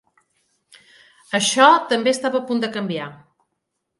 Això també estava a punt de canviar.